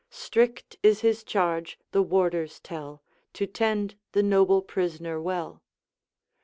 Strict is his charge, the warders tell, To tend the noble prisoner well.'